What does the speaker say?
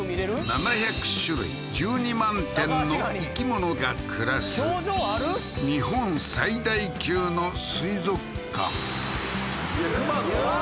７００種類１２万点の生き物が暮らす日本最大級の水族館いやクマうわ